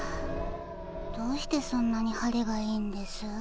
どうしてそんなに晴れがいいんです？